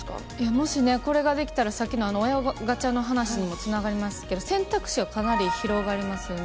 もしこれができたらさっきのあの親ガチャの話にもつながりますけど、選択肢はかなり広がりますよね。